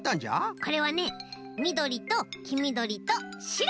これはねみどりときみどりとしろ。